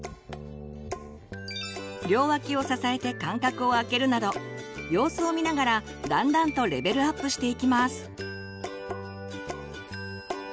両脇を支えて間隔を空けるなど様子を見ながらだんだんとレベルアップしていきます。